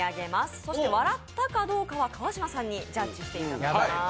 そして笑ったかどうかは川島さんにジャッジしていただきます。